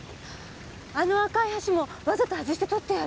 あの赤い橋もわざと外して撮ってある。